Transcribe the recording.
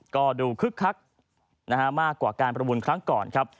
ก็ดูคึกคักมากกว่าการประมูลครั้งก่อนครับ